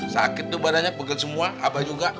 sakit tuh badannya pegel semua abah juga